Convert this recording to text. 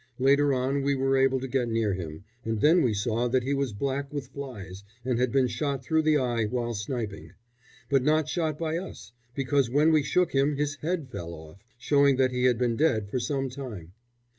Later on we were able to get near him, and then we saw that he was black with flies and had been shot through the eye while sniping; but not shot by us, because when we shook him his head fell off, showing that he had been dead for some time.